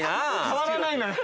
変わらないのよ。